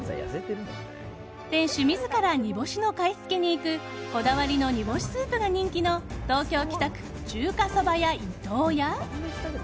店主自ら煮干しの買い付けに行くこだわりの煮干しスープが人気の東京・北区中華そば屋伊藤や。